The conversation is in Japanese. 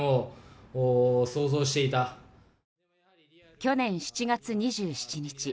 去年７月２７日。